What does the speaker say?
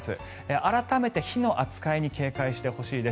改めて火の扱いに警戒してほしいです。